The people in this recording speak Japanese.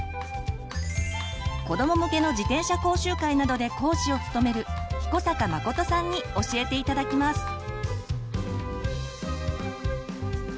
子ども向けの自転車講習会などで講師を務める彦坂誠さんに教えて頂きます。